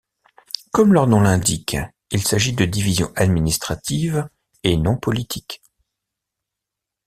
Comme leur nom l'indique, il s'agit de divisions administratives et non politiques.